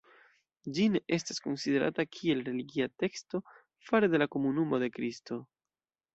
Ĝi ne estas konsiderata kiel religia teksto fare de la Komunumo de Kristo.